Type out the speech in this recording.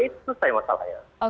itu selesai masalahnya